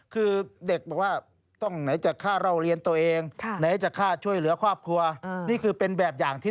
คือเด็กบอกว่าต้องไหนจะฆ่าเราเรียนตัวเอง